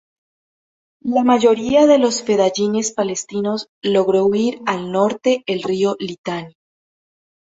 La mayoría de los fedayines palestinos logró huir al norte el Río Litani.